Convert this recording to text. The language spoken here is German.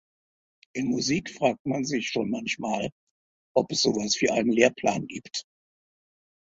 In Musik fragt man sich schon manchmal, ob es sowas wie einen Lehrplan gibt.